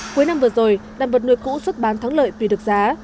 cuối năm vừa rồi đàn vật nuôi cũ xuất bán thắng lợi vì được giá